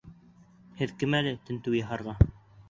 Һеҙ кем әле тентеү яһарға?